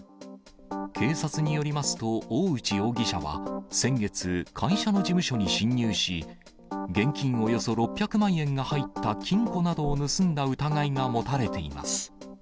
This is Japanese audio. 警察によりますと、大内容疑者は先月、会社の事務所に侵入し、現金およそ６００万円が入った金庫などを盗んだ疑いが持たれています。